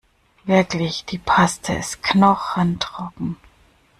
Wirklich, die Paste ist knochentrocken.